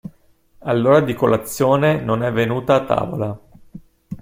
All'ora di colazione non è venuta a tavola.